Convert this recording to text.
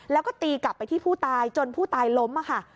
แล้วก็ตีกลับไปที่ผู้ตายจนผู้ตายล้มค่ะ